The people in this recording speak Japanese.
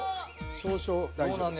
少々大丈夫です。